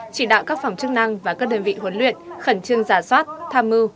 chỉ đạo các phòng chức năng và các đơn vị huấn luyện khẩn trương giả soát tham mưu